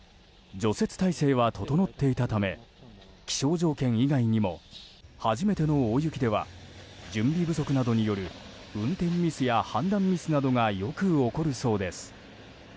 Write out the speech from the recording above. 除雪体制は整っていたため気象条件以外にも初めての大雪では準備不足などによる運転ミスや判断ミスなどがよく起こるそうです。